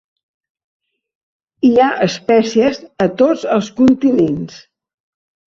Hi ha espècies a tots els continents.